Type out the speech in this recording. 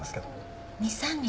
２３日？